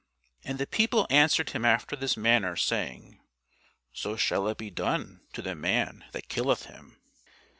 And the people answered him after this manner, saying, So shall it be done to the man that killeth him.